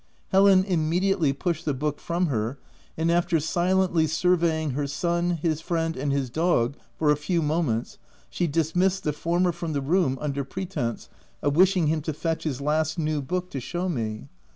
Helen immediately pushed the book from her and after silently surveying her son, his friend, and his dog for a few moments, she dismissed the former from the room under pretence of wishing him to fetch his last new book to shew me.